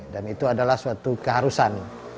dan itu adalah suatu keharusan